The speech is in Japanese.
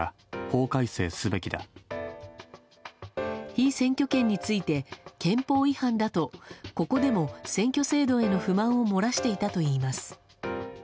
被選挙権について憲法違反だとここでも選挙制度への不満を漏らしていたといいます。